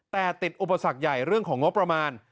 แต่ติดอุปสรรคใหญ่เรื่องของงบประมาณ